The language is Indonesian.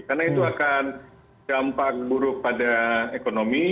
karena itu akan dampak buruk pada ekonomi